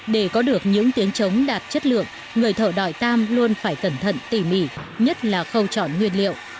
để có được những tiếng chống đạt chất lượng người thợ đòi tam luôn phải cẩn thận tỉ mỉ nhất là khâu chọn nguyên liệu